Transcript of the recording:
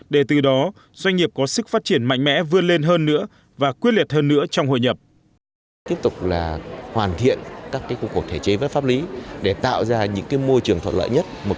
để từ đó doanh nghiệp có sức phát triển mạnh mẽ vươn lên hơn nữa và quyết liệt hơn nữa trong hội nhập